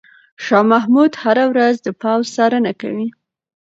شاه محمود هره ورځ د پوځ څارنه کوي.